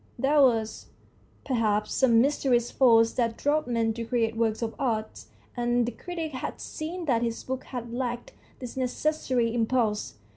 There was, perhaps, some mysterious force that drove men to create works of art, and the critic had seen that his book had lacked this necessary impulse.